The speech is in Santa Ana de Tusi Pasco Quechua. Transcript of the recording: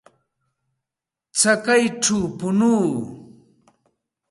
Chakayćhaw punuu.